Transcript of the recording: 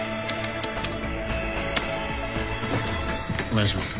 お願いします。